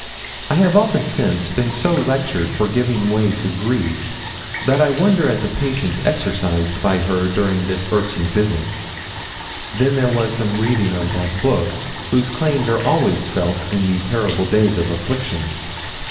I have often since been so lectured for giving way to grief, that I wonder at the patience exercised by her during this irksome visit. Then there was some reading of that book whose claims are always felt in the terrible days of affliction.